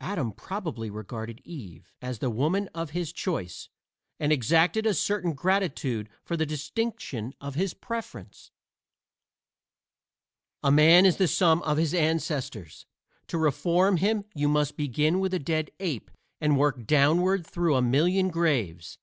Adam probably regarded Eve as the woman of his choice, and exacted a certain gratitude for the distinction of his preference. A man is the sum of his ancestors; to reform him you must begin with a dead ape and work downward through a million graves.